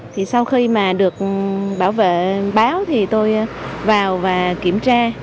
thì sau khi mà được bảo vệ báo thì tôi vào và kiểm tra